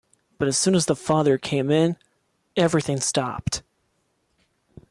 But as soon as the father came in, everything stopped.